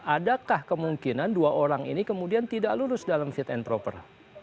adakah kemungkinan dua orang ini kemudian tidak lurus dalam fit and proper